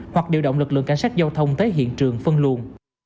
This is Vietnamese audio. hoặc điều động lực lượng cảnh sát giao thông tới hiện trường phân luồn